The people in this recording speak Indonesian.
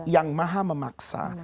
yang maha memaksa